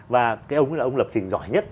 và cái ông ấy là ông lập trình giỏi nhất